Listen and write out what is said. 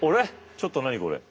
ちょっと何これ。